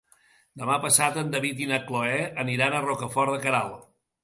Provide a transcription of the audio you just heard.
Demà passat en David i na Cloè aniran a Rocafort de Queralt.